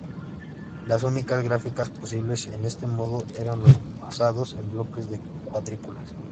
Las únicas gráficas posibles en este modo eran los basados en bloques de cuadrículas.